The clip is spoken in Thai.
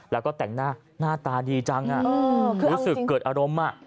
แล้วก็แต่งหน้าหน้าตาดีจังรู้สึกเกิดอารมณ์